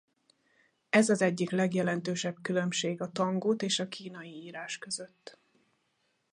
Ez az egyik legjelentősebb különbség a tangut és a kínai írás között.